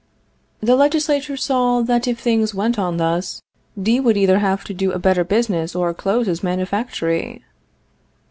The Legislature saw that if things went on thus, D would either have to do a better business or close his manufactory.